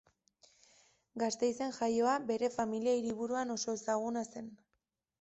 Gasteizen jaioa bere familia hiriburuan oso ezaguna zen.